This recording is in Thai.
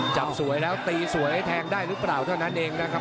จำสวยแล้วตีสวยแทงได้หรือเปล่าเท่านั้นเองนะครับ